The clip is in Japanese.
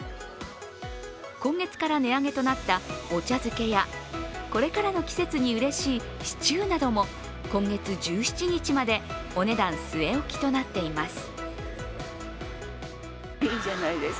今月から値上げとなったお茶づけやこれからの季節にうれしいシチューなども今月１７日までお値段据え置きとなっています。